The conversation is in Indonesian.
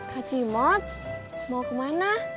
kak cimot mau kemana